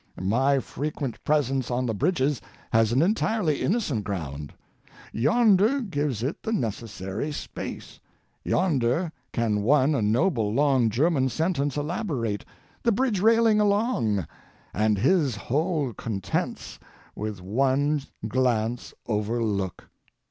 My frequent presence on the bridges has an entirely innocent ground. Yonder gives it the necessary space, yonder can one a noble long German sentence elaborate, the bridge railing along, and his whole contents with one glance overlook.